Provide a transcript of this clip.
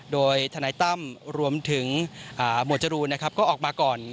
โดยทนายตั้มรวมถึงหมวดจรูนนะครับก็ออกมาก่อน